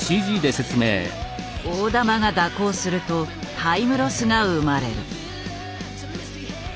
大玉が蛇行するとタイムロスが生まれる。